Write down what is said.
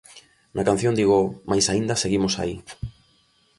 Na canción digo "mais aínda seguimos aí".